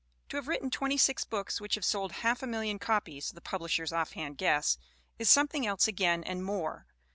To have written twenty six books which have sold half a million copies (the publisher's offhand guess) is something else again and more.